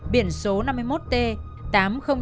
biển số năm mươi một t